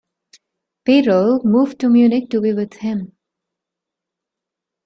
Perel moved to Munich to be with him.